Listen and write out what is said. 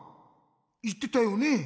いってたよね？